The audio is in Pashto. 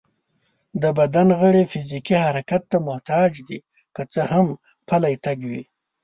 د بدن غړي فزيکي حرکت ته محتاج دي، که څه هم پلی تګ وي